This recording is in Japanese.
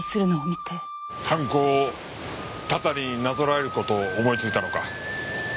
犯行をたたりになぞらえる事を思いついたのか。